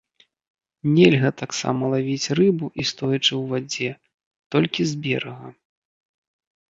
Нельга таксама лавіць рыбу і стоячы ў вадзе, толькі з берага.